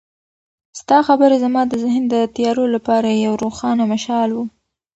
ستا خبرې زما د ذهن د تیارو لپاره یو روښانه مشال و.